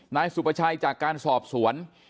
นายสุประชัยจากการสอบสวน